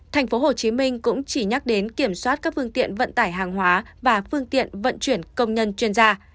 tp hcm cũng chỉ nhắc đến kiểm soát các phương tiện vận tải hàng hóa và phương tiện vận chuyển công nhân chuyên gia